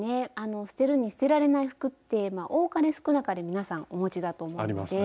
捨てるに捨てられない服って多かれ少なかれ皆さんお持ちだと思うので。